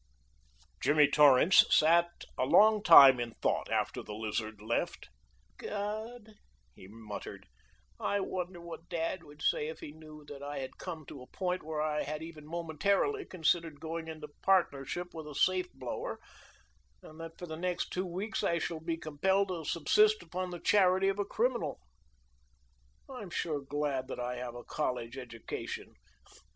Jimmy Torrance sat a long time in thought after the Lizard left. "God!" he muttered. "I wonder what dad would say if he knew that I had come to a point where I had even momentarily considered going into partnership with a safe blower, and that for the next two weeks I shall be compelled to subsist upon the charity of a criminal? "I'm sure glad that I have a college education.